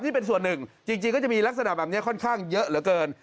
ที่เป็นส่วนหนึ่งจริงก็จะมีลักษณะแบบนี้ค่อนข้างเยอะเหลือเกิน